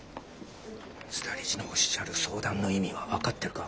須田理事のおっしゃる相談の意味は分かってるか？